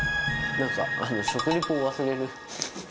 なんか食リポを忘れる。